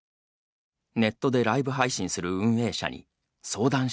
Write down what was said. ネットでライブ配信する運営者に相談していたのです。